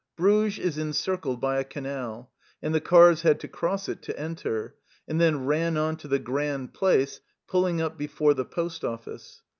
Bruges is encircled by a canal, and the cars had to cross it to enter, and then ran on to the Grand Place, pulling up before the Post Office.